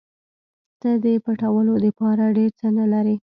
ته د پټولو دپاره ډېر څه نه لرې.